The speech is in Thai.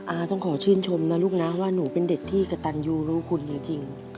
ต้องขอชื่นชมนะลูกนะว่าหนูเป็นเด็กที่กระตันยูรู้คุณจริง